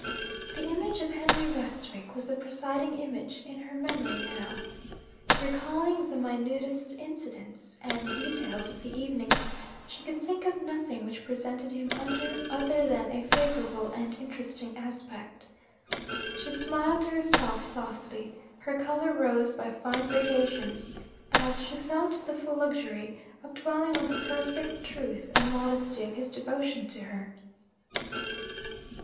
The image of Henry Westwick was the presiding image in her memory now. Recalling the minutest incidents and details of the evening, she could think of nothing which presented him under other than a favourable and interesting aspect. She smiled to herself softly, her colour rose by fine gradations, as she felt the full luxury of dwelling on the perfect truth and modesty of his devotion to her.